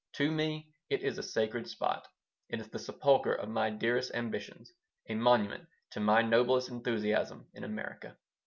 To me it is a sacred spot. It is the sepulcher of my dearest ambitions, a monument to my noblest enthusiasm in America.